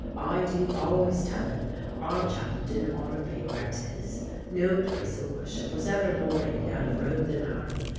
I do al'ays tell 'un our chapel didn't oughter belong where 'tis. No place o' worship was ever more hid out o' road than ourn.